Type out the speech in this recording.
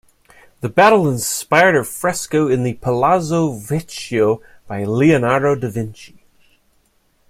The battle inspired a fresco in the Palazzo Vecchio by Leonardo da Vinci.